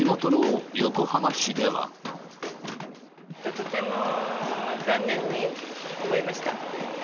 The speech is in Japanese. とても残念に思いました。